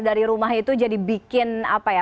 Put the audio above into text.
dari rumah itu jadi bikin apa ya